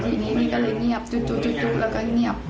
ทีเนี้ยก็เลยเงียบจูแล้วเราก็คล้ายเงียบ